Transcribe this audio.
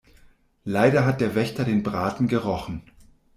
Leider hat der Wächter den Braten gerochen.